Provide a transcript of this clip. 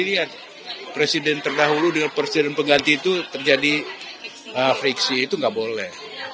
jadi presiden terdahulu dengan presiden pengganti itu terjadi fiksi itu tidak boleh